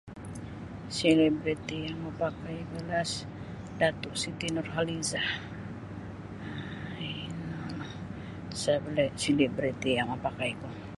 Selebriti yang mapakai ku Dato Siti Nurhalizah ino [unintelligible] selebriti mapakai ku.